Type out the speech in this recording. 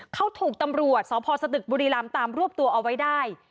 เขาถูกตำรวจสพสตึกบุรีรำตามรวบตัวเอาไว้ได้